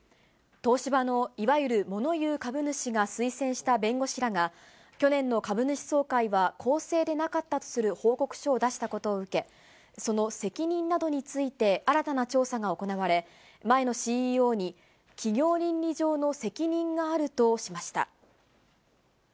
東芝のいわゆる物言う株主が推薦した弁護士らが、去年の株主総会は公正でなかったとする報告書を出したことを受け、その責任などについて新たな調査が行われ、前のＣＥＯに企業倫理上の責任があるとしました。